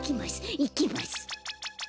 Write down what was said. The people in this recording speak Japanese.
いきます。